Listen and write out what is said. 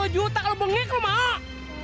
lima puluh juta kalau bengik lo mah